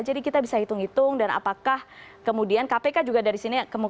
jadi kita bisa hitung hitung dan apakah kemudian kpk juga dari sini